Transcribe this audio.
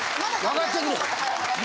わかってくれ。